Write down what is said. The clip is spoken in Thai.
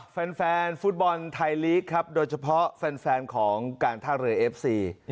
แฟนฟุตบอลไทยลีกครับโดยเฉพาะแฟนของการท่าเรือเอฟซี